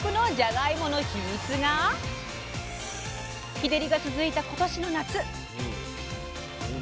日照りが続いた今年の夏。